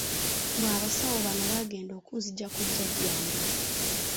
Mbu abasawo bano baagenda okunzigya ku Jjajjange.